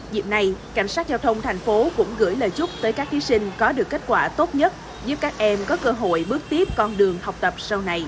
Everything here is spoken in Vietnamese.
dịp này cảnh sát giao thông thành phố cũng gửi lời chúc tới các thí sinh có được kết quả tốt nhất giúp các em có cơ hội bước tiếp con đường học tập sau này